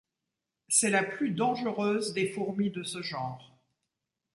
C'est la plus dangereuse des fourmis de ce genre.